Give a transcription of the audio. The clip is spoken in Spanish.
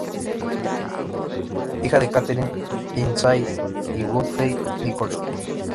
Hija de Katharine Lindsay y Godfrey Nicholson.